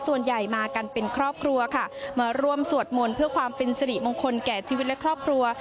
ส่วนใหญ่มากันเป็นครอบครัวค่ะมาร่วมสวดมนต์เพื่อความเป็นสิริมงคลแก่ชีวิตและครอบครัว